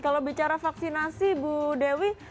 kalau bicara vaksinasi bu dewi